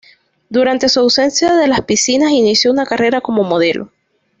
Durante su ausencia de las piscinas inició una carrera como modelo.